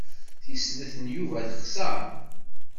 Tisellet n Yuba texser.